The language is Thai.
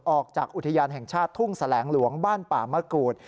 ออกจากอุทยานแห่งชาติทุ่งแสลงหลวงบ้านป่ามะกูด